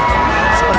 tetapi kalau melihat